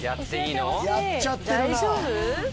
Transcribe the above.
やっちゃってるな。